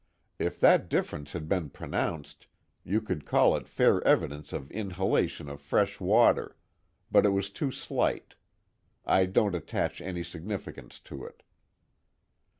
If that difference had been pronounced, you could call it fair evidence of inhalation of fresh water, but it was too slight. I don't attach any significance to it."